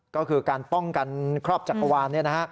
ก็คือการป้องกันครอบจักรวาล